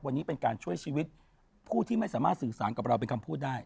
วันนี้เป็นการช่วยชีวิตผู้ที่ไม่สามารถสื่อสารกับเราเป็นคำพูดได้